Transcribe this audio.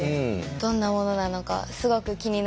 どんなものなのかすごく気になります。